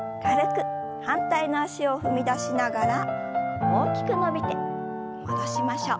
反対の脚を踏み出しながら大きく伸びて戻しましょう。